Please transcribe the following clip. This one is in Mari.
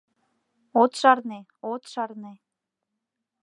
— От шарне, от шарне!